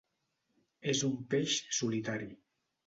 És un peix solitari.